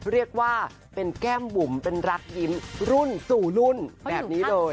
เรียกว่าเป็นแก้มบุ๋มเป็นรักยิ้มรุ่นสู่รุ่นแบบนี้เลย